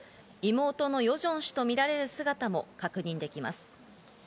妹のヨジョン氏とみられる姿も確認できます。